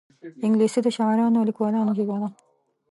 انګلیسي د شاعرانو او لیکوالانو ژبه ده